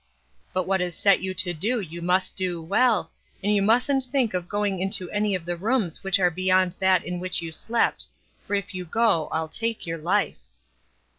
But what is set you to do you must do well, and you mustn't think of going into any of the rooms which are beyond that in which you slept, for if you do, I'll take your life."